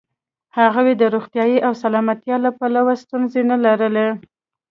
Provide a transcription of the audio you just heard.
هغوی د روغتیا او سلامتیا له پلوه ستونزه نه لرله.